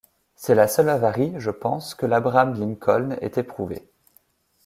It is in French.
C’est la seule avarie, je pense, que l’Abraham-Lincoln ait éprouvée.